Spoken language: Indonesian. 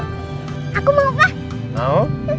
aku mau pak